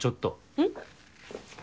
うん？